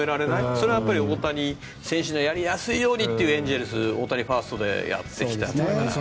それは大谷選手のやりやすいようにというエンゼルスが大谷ファーストでやってきたから。